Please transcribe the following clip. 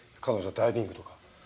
彼女はダイビングとか。